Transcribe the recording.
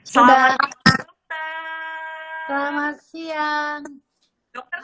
selamat siang dokter